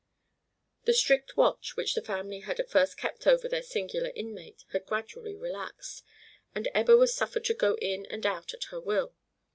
The strict watch which the family had at first kept over their singular inmate had gradually relaxed, and Ebba was suffered to go in and out at her will.